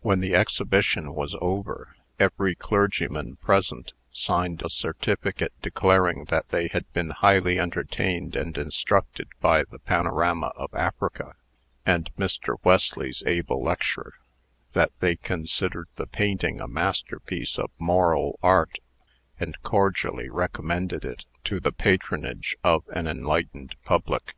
When the exhibition was over, every clergyman present signed a certificate declaring that they had been highly entertained and instructed by the Panorama of Africa, and Mr. Wesley's able lecture; that they considered the painting a masterpiece of moral Art, and cordially recommended it to the patronage of an enlightened public.